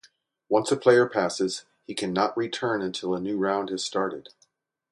Once a player passes, he cannot return until a new round has started.